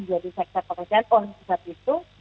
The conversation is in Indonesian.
jadi sektor pekerjaan orang sehat itu